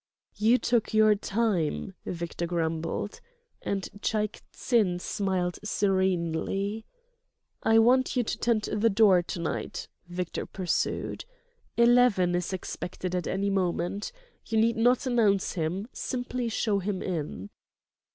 "You took your time," Victor grumbled. And Shaik Tsin smiled serenely. "I want you to tend the door to night," Victor pursued. "Eleven is expected at any moment. You need not announce him, simply show him in."